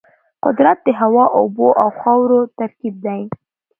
قدرت د هوا، اوبو او خاورو ترکیب دی.